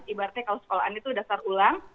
ibaratnya kalau sekolahan itu dasar ulang